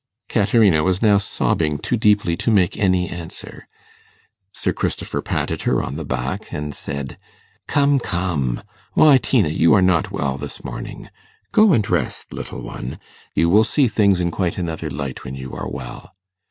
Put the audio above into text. Caterina was now sobbing too deeply to make any answer. Sir Christopher patted her on the back and said, 'Come, come; why, Tina, you are not well this morning. Go and rest, little one. You will see things in quite another light when you are well.